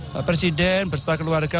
pak presiden bersama keluarga